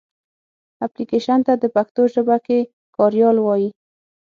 اپلکېشن ته پښتو ژبه کې کاریال وایې.